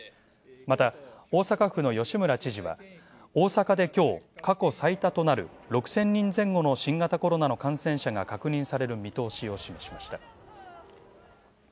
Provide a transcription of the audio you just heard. また、大阪府の吉村知事は大阪で今日、過去最多となる６０００人前後の新型コロナの感染者が確認される見通しを示しました。